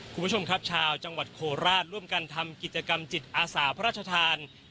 คุณผู้ชมครับชาวจังหวัดโคราชร่วมกันทำกิจกรรมจิตอาสาพระราชทาน